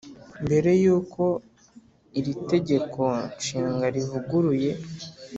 mbere y uko iri Tegeko Nshinga rivuguruye